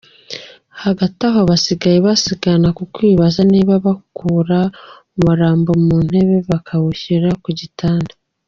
Hagati aho basigaye basigana ku kwibaza niba bakura umurambo mu ntebe bakawushyira ku gitanda.